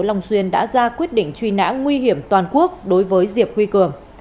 long xuyên đã ra quyết định truy nã nguy hiểm toàn quốc đối với diệp huy cường